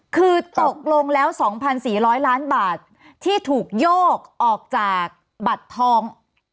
คือตกลงแล้ว๒๔๐๐ล้านบาทที่ถูกโยกออกจากบัตรทอง